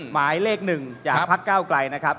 หมายเลข๑จากพักเก้าไกลนะครับ